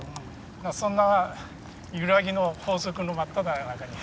そんな揺らぎの法則の真っただ中に。